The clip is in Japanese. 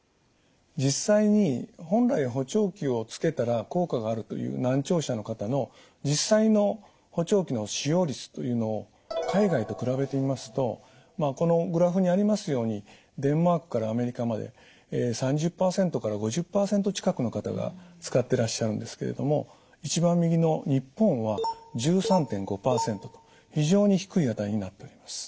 実際に本来補聴器をつけたら効果があるという難聴者の方の実際の補聴器の使用率というのを海外と比べてみますとこのグラフにありますようにデンマークからアメリカまで３０％から５０％近くの方が使ってらっしゃるんですけれども一番右の日本は１３．５％と非常に低い値になっております。